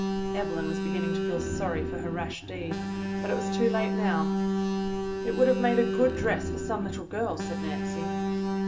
Evelyn was beginning to feel sorry for her rash deed, but it was too late now. "It would have made a good dress for some little girl," said Nancy.